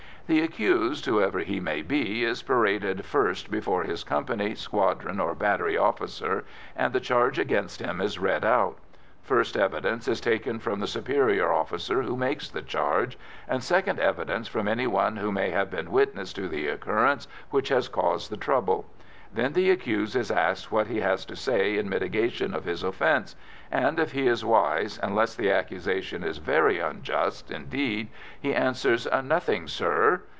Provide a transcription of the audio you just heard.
The accused, whoever he may be, is paraded first before his company, squadron, or battery officer, and the charge against him is read out. First evidence is taken from the superior officer who makes the charge, and second evidence from anyone who may have been witness to the occurrence which has caused the trouble. Then the accused is asked what he has to say in mitigation of his offence, and if he is wise, unless the accusation is very unjust indeed, he answers "Nothing, sir."